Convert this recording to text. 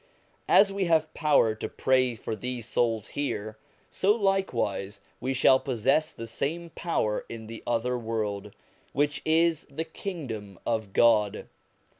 As we have power to pray for these souls here, so likewise we shall possess the same power in the other world, which is the Kingdom of God.